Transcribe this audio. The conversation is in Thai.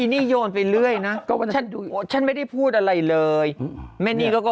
นี่โยนไปเรื่อยนะก็ฉันดูฉันไม่ได้พูดอะไรเลยแม่นี่ก็